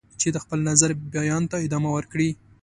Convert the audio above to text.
چې د خپل نظر بیان ته ادامه ورکړي.